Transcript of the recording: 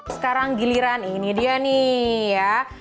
sekarang giliran ini dia nih ya